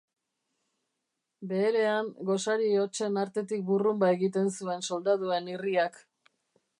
Beherean, gosari hotsen artetik burrunba egiten zuen soldaduen irriak.